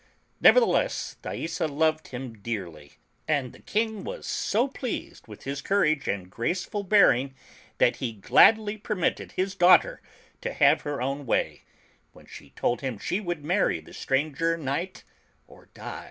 Nevertheless Thaisa loved him dearly, and the King was so pleased with his courage and graceful bearing that he gladly per mitted his daughter to have her own way, when she told him she would marry the stranger knight or di